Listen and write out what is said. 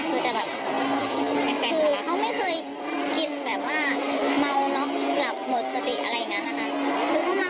คือแต่แบบคือเขาไม่เคยกินแบบว่าเมาน็อกหลับหมดสติอะไรอย่างนั้นนะคะ